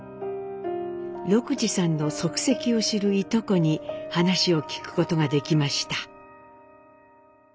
禄二さんの足跡を知るいとこに話を聞くことができました。